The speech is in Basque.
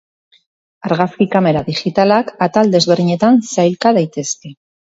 Argazki kamera digitalak atal desberdinetan sailka daitezke.